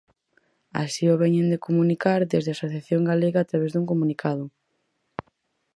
Así o veñen de comunicar desde a asociación galega a través dun comunicado.